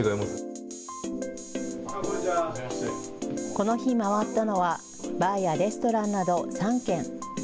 この日、回ったのはバーやレストランなど３軒。